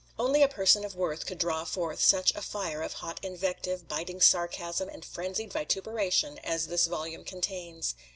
Only a person of worth could draw forth such a fire of hot invective, biting sarcasm and frenzied vituperation as this volume contains.